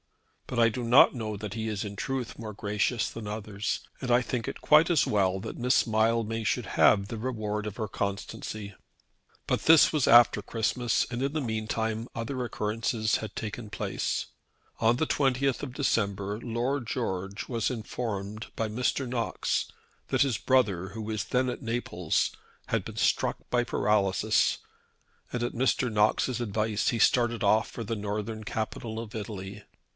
"But I do not know that he is in truth more gracious than others, and I think it quite as well that Miss Mildmay should have the reward of her constancy." But this was after Christmas, and in the meantime other occurrences had taken place. On the 20th of December Lord George was informed by Mr. Knox that his brother, who was then at Naples, had been struck by paralysis, and at Mr. Knox's advice he started off for the southern capital of Italy.